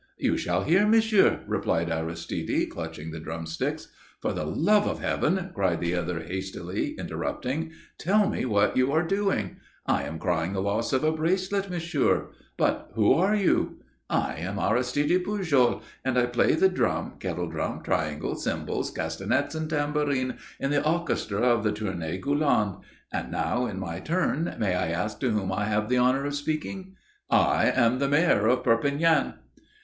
"You shall hear, monsieur," replied Aristide, clutching the drumsticks. "For the love of Heaven!" cried the other hastily interrupting. "Tell me what are you doing?" "I am crying the loss of a bracelet, monsieur!" "But who are you?" "I am Aristide Pujol, and I play the drum, kettle drum, triangle, cymbals, castagnettes and tambourine in the orchestra of the Tournée Gulland. And now, in my turn, may I ask to whom I have the honour of speaking?" "I am the Mayor of Perpignan."